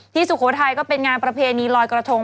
ที่ศุโขไทยก็เป็นงานประเพณีลอยกระโธง